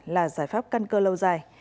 là giải pháp căn cơ lâu dài